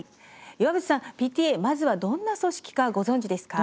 岩渕さん、ＰＴＡ、まずはどんな組織かご存じですか？